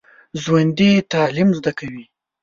ژوندي تعلیم زده کوي